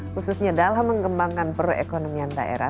khususnya dalam mengembangkan perekonomian daerah